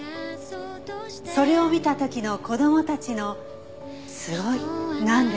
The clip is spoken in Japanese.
「それを見た時の子供たちの“すごい”“なんで？”